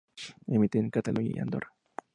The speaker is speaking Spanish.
Emite en Cataluña y Andorra.